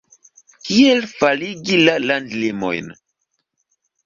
Kiel faligi la landlimojn?